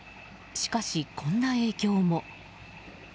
しかし、こんな影響も。